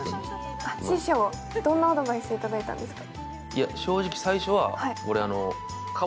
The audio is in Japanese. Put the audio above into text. どんなアドバイスいただいたんですか？